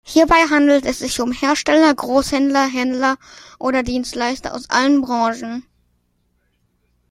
Hierbei handelt es sich um Hersteller, Großhändler, Händler oder Dienstleister aus allen Branchen.